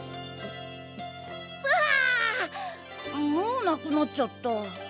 もうなくなっちゃった。